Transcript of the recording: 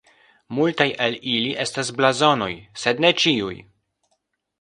Multaj el ili estas blazonoj, sed ne ĉiuj.